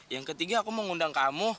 yang ketiga aku mau ngundang kamu